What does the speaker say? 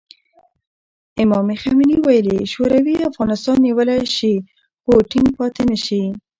امام خمیني ویلي، شوروي افغانستان نیولی شي خو ټینګ پاتې نه شي.